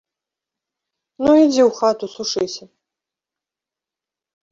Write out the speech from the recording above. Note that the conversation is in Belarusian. Ну, ідзі ў хату сушыся.